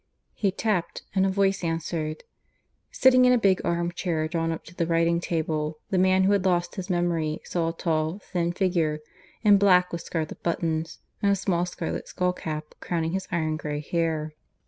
He tapped; and a voice answered. Sitting in a big arm chair drawn up to the writing table, the man who had lost his memory saw a tall, thin figure, in black with scarlet buttons, and a small scarlet skull cap crowning his iron grey hair.